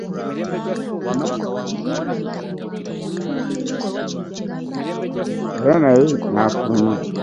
Maliyamu yalaba munne afuluma n'atyamu era naye n'afuluma.